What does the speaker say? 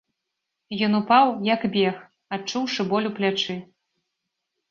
Ён упаў, як бег, адчуўшы боль у плячы.